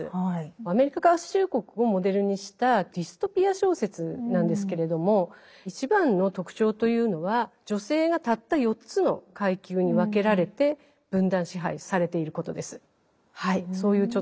アメリカ合衆国をモデルにしたディストピア小説なんですけれども一番の特徴というのは女性がたった４つの階級に分けられて分断支配されていることです。